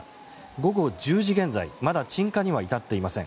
午後１０時現在まだ鎮火には至っていません。